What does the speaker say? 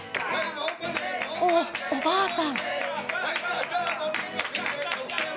おっおばあさん！